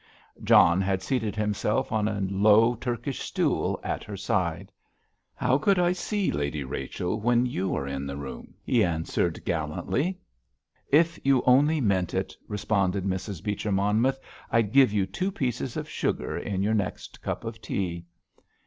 John had seated himself on a low Turkish stool at her side. "How could I see Lady Rachel when you are in the room?" he answered, gallantly. "If you only meant it," responded Mrs. Beecher Monmouth, "I'd give you two pieces of sugar in your next cup of tea!"